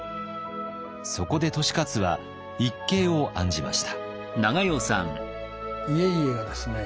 そこで利勝は一計を案じました。